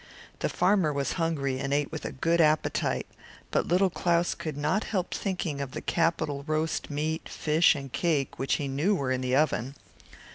The farmer was very hungry, and ate his porridge with a good appetite, but Little Claus could not help thinking of the nice roast meat, fish and pies, which he knew were in the oven.